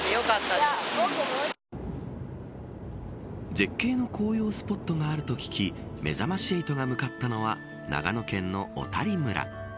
絶景の紅葉スポットがあると聞き、めざまし８が向かったのは長野県の小谷村。